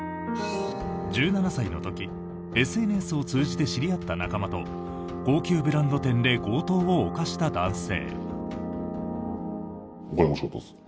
１７歳の時ＳＮＳを通じて知り合った仲間と高級ブランド店で強盗を犯した男性。